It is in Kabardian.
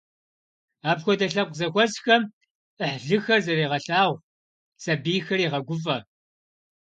Апхуэдэ лъэпкъ зэхуэсхэм Ӏыхьлыхэр зэрегъэлъагъу, сабийхэр егъэгуфӏэ.